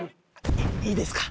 いいですか？